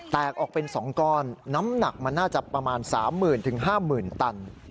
แตกออกเป็น๒ก้อนน้ำหนักมันน่าจะประมาณ๓๐๐๐๕๐๐๐ตัน